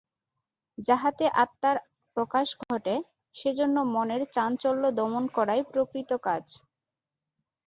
যাহাতে আত্মার প্রকাশ ঘটে, সেজন্য মনের চাঞ্চল্য দমন করাই প্রকৃত কাজ।